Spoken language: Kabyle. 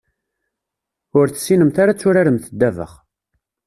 Ur tessinemt ara ad turaremt ddabex.